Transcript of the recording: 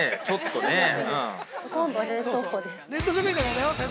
ちょっとね。